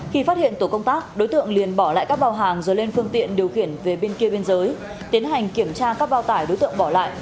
khi phát hiện tổ công tác đối tượng liền bỏ lại các bao hàng rồi lên phương tiện điều khiển về bên kia biên giới tiến hành kiểm tra các bao tải đối tượng bỏ lại